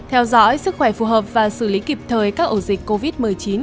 hỏi sức khỏe phù hợp và xử lý kịp thời các ổ dịch covid một mươi chín